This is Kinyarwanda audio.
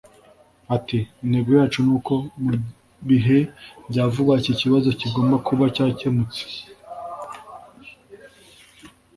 ati ” intego yacu ni uko mu bihe bya vuba iki kibazo kigomba kuba cyakemutse”